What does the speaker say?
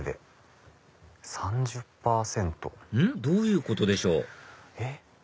どういうことでしょう？